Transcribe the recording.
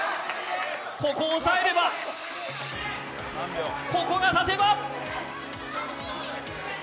ここを押さえれば、ここが立てば！